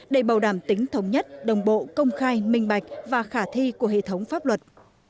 để bảo đảm tính thống nhất đồng bộ công khai minh bạch và khả thi của hệ thống pháp luật